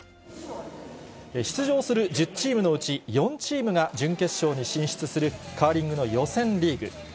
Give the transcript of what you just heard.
出場する１０チームのうち、４チームが準決勝に進出する、カーリングの予選リーグ。